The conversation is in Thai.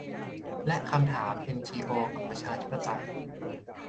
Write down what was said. และคำถามเอ็นจีโอกับประชาธิปไตย